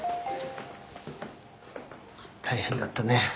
大変だったね。